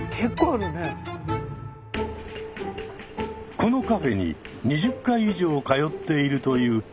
このカフェに２０回以上通っているという常連の尾崎さん。